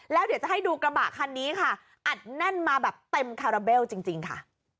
แล้วเดี๋ยวจะให้ดูกระบะคันนี้ค่ะอัดแน่นมาแบบเต็มคาราเบลจริงค่ะ